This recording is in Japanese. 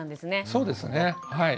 そうですねはい。